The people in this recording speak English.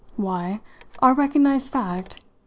Why, our recognised fact.